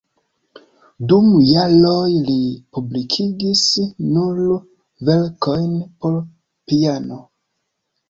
Dum jaroj li publikigis nur verkojn por piano.